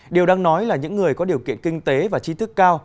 điều đang nói là những người có điều kiện kinh tế và chi thức cao